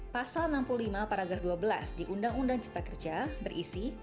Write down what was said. pasal enam puluh lima paragraf dua belas di undang undang cipta kerja berisi